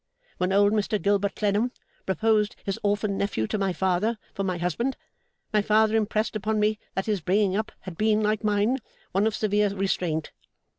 When old Mr Gilbert Clennam proposed his orphan nephew to my father for my husband, my father impressed upon me that his bringing up had been, like mine, one of severe restraint.